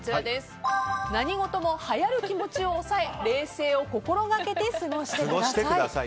何事もはやる気持ちを抑え冷静を心掛けて過ごしてください。